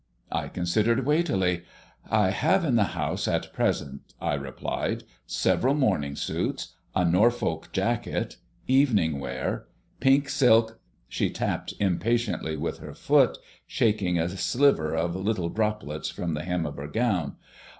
I considered weightily. "I have in the house at present," I replied, "several morning suits, a Norfolk jacket, evening wear, pink silk " She tapped impatiently with her foot, shaking a sliver of little drops from the hem of her gown.